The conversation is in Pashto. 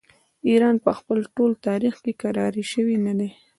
ایران په خپل ټول تاریخ کې کرار شوی نه دی.